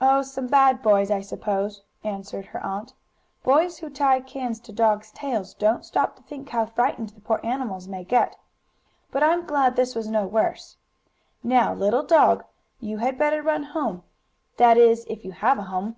"Oh, some bad boys, I suppose," answered her aunt. "Boys who tie cans to dogs' tails don't stop to think how frightened the poor animals may get. But I'm glad this was no worse. Now, little yellow dog, you had better run home, that is if you have a home."